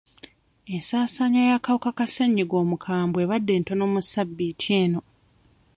Ensaasaanya y'akawuka ka ssenyigga omukambwe ebadde ntono mu ssabbiiti eno.